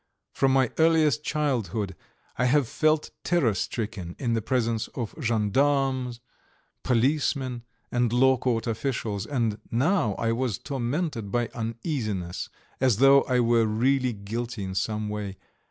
From my earliest childhood I have felt terror stricken in the presence of gendarmes, policemen, and law court officials, and now I was tormented by uneasiness, as though I were really guilty in some way.